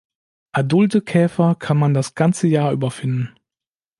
Adulte Käfer kann man das ganze Jahr über finden.